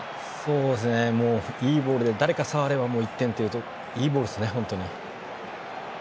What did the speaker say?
もういいボールで誰か触れば１点といういいボールですね、本当に。